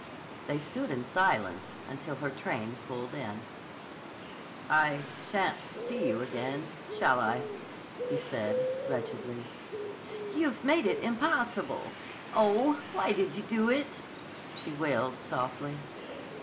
They stood in silence until her train pulled in. "I shan't see you again, shall I?" he said wretchedly. "You've made it impossible. Oh, why did you do it?" she wailed softly.